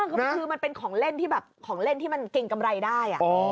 ก็คือมันเป็นของเล่นที่แบบของเล่นที่มันเก่งกำไรได้